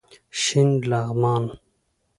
شین لغمان